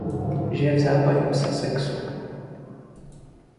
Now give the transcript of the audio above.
Žije v Západním Sussexu.